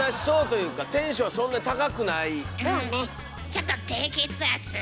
ちょっと低血圧な感じ。